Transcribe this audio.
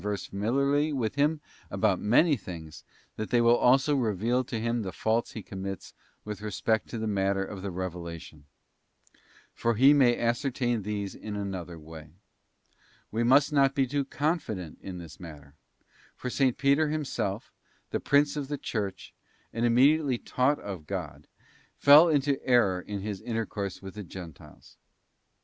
Let no man, there fore, imagine, although God and His Saints converse familiarly with him about many things, that they will also reveal to him the faults he commits with respect to the matter of the revela tion ; for he may ascertain these in another way. We must not be too confident in this matter ; for S. Peter himself, the Prince of the Church, and immediately taught of God, fell into error in his intercourse with the Gentiles.